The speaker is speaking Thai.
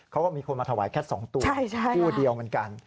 เขาก็มีคนมาถวายแค่๒ตัวคู่เดียวเหมือนกัน